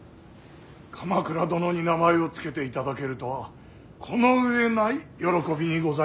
鎌倉殿に名前を付けていただけるとはこの上ない喜びにございます。